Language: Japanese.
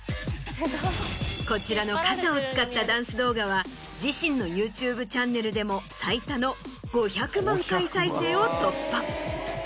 こちらの傘を使ったダンス動画は自身の ＹｏｕＴｕｂｅ チャンネルでも最多の５００万回再生を突破。